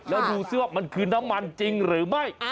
แล้วดูซิว่ามันคือน้ำมันจริงหรือไม่